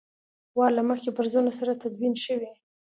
وار له مخکې فرضونو سره تدوین شوي.